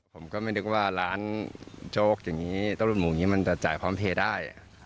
ผมก็ไม่นึกว่าร้านโจ๊กอย่างนี้ต้นรุ่นหมูอย่างนี้มันจะจ่ายพร้อมเพลย์ได้